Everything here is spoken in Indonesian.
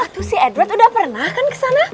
tuh si edward udah pernah kan ke sana